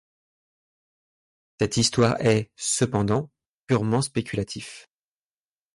Cette histoire est, cependant, purement spéculatif.